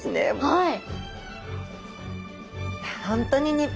はい。